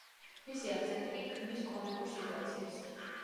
მისი აქცენტი კი ქმნის კომიკურ სიტუაციებს.